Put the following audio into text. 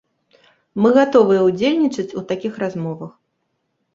Мы гатовыя ўдзельнічаць у такіх размовах.